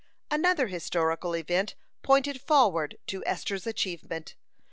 Another historical event pointed forward to Esther's achievement.